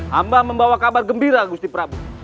kau membawa kabar gembira gusti pramoda